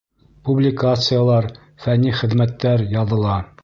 Публикациялар, фәнни хеҙмәттәр яҙыла.